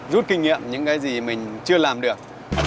rút kinh nghiệm những cái gì mình chưa làm được